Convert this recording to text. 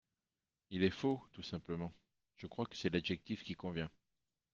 Il est faux, tout simplement, je crois que c’est l’adjectif qui convient.